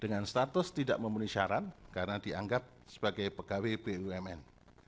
dengan status tidak memenuhi syarat karena dianggap sebagai pegawai bumn